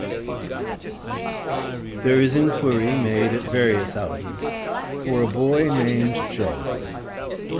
There is inquiry made at various houses for a boy named Jo.